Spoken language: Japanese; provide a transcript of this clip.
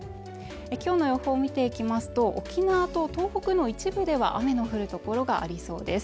今日の予報を見ていきますと沖縄と東北の一部では雨の降る所がありそうです